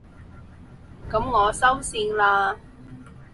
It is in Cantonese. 噉我收線喇